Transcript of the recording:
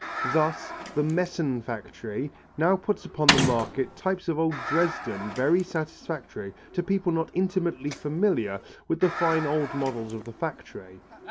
Thus the Meissen factory now puts upon the market types of old Dresden very satisfactory to people not intimately familiar with the fine old models of the factory.